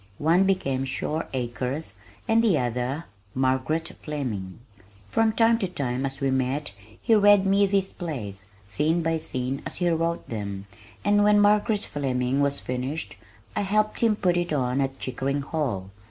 One became Shore Acres and the other Margaret Fleming. From time to time as we met he read me these plays, scene by scene, as he wrote them, and when Margaret Fleming was finished I helped him put it on at Chickering Hall.